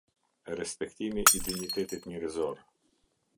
Respektimi i dinjitetit njerëzor.